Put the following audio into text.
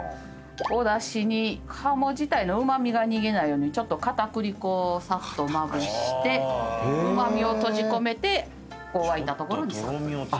おだしに鴨自体のうま味が逃げないように片栗粉をさっとまぶしてうま味を閉じ込めて沸いたところにさっと入れる。